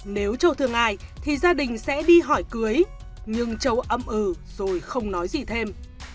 nếu châu thương ai thì gia đình sẽ đi hỏi cưới nhưng châu ấm ừ rồi không nói gì thêm